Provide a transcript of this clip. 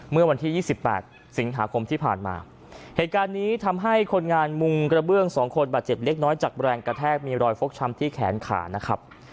เมื่อวันที่๒๘สิงหาคมที่ผ่านมาเหตุการณ์นี้ทำให้คนงานมุงกระเบื้อง๒คนบาดเจ็บเล็กน้อยจากแรงกระแทกมีรอยฟกช้ำที่แขนขานะครับ